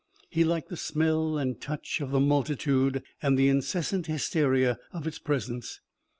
He liked the smell and touch of the multitude and the incessant hysteria of its presence.